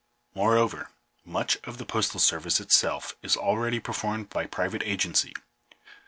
Moreover, much of the postal ser vice itself is already performed by private agency.